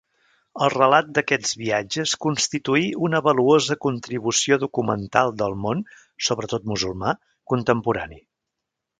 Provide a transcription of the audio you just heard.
El relat d'aquests viatges constituí una valuosa contribució documental del món, sobretot musulmà, contemporani.